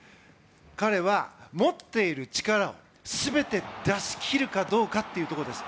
彼は持っている力を全て出し切るかどうかというところです。